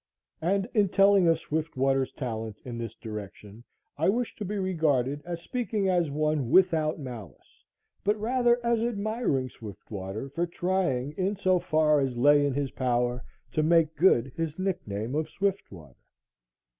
And in telling of Swiftwater's talent in this direction, I wish to be regarded as speaking as one without malice, but rather as admiring Swiftwater for trying, in so far as lay in his power, to make good his nickname of Swiftwater.